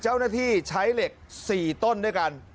เจ้าหน้าที่ใช้เหล็ก๔ต้นด้วยกัน